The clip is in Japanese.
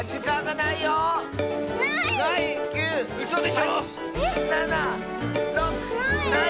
ない！